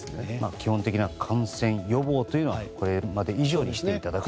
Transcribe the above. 基本的な感染予防はこれまで以上にしていただいて。